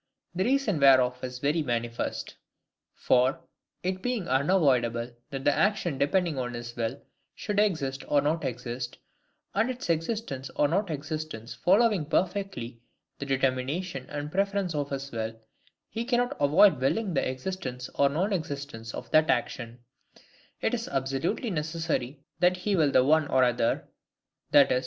The reason whereof is very manifest. For, it being unavoidable that the action depending on his will should exist or not exist, and its existence or not existence following perfectly the determination and preference of his will, he cannot avoid willing the existence or non existence of that action; it is absolutely necessary that he will the one or the other; i.e.